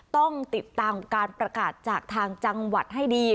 ต้องติดตามการประกาศจากทางจังหวัดให้ดี